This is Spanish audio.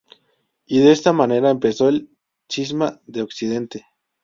Y de esta manera empezó el Cisma de Occidente.